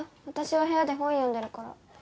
私は部屋で本読んでるから。